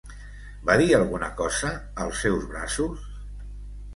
Va dir alguna cosa als seus braços?